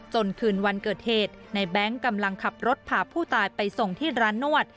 คืนวันเกิดเหตุในแบงค์กำลังขับรถพาผู้ตายไปส่งที่ร้านนวด